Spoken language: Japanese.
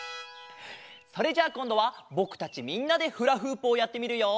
それじゃあこんどはぼくたちみんなでフラフープをやってみるよ。